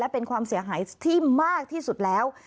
เป็นความเสียหายที่มากที่สุดแล้ว